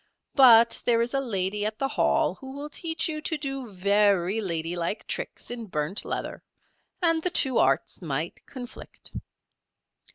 "But there is a lady at the Hall who will teach you to do very ladylike tricks in burnt leather, and the two arts might conflict.